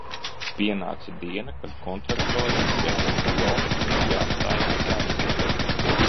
"Pienāca diena, kad kontraktoriem "Džek un Džo" bija jāstājas darbā."